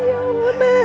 ya allah nek